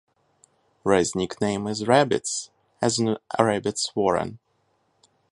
Ray's nickname is "Rabbits", as in a rabbit's warren.